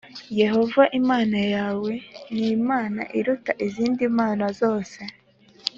Yehova Imana yawe ni Imana iruta izindi mana zose,